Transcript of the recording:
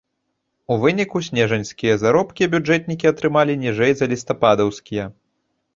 У выніку снежаньскія заробкі бюджэтнікі атрымалі ніжэй за лістападаўскія.